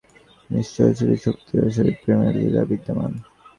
ঐ জড়-পরমাণুসমূহের অন্তরালে নিশ্চয়ই ঐশ্বরিক শক্তি ও ঐশ্বরিক প্রেমের লীলা বিদ্যমান।